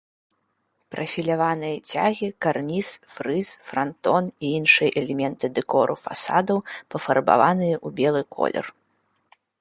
Прафіляваныя цягі, карніз, фрыз, франтон і іншыя элементы дэкору фасадаў пафарбаваныя ў белы колер.